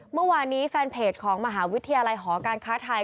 เมื่อวานนี้แฟนเพจของมหาวิทยาลัยหอการค้าไทย